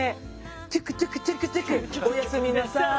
チュクチュクチュクチュクおやすみなさい！